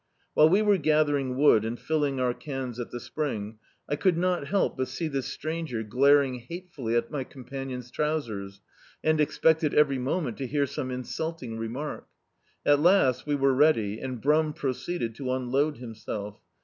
While we were gathering wood and fillii^ our cans at the spring, I could not help but see this stranger glaring hatefully at my companion's trousers, and expected every moment to hear some insulting remark. At last we were ready and Brum proceeded to unload himself.